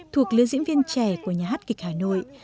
thuộc lứa diễn viên trẻ của nhà hát kịch hà nội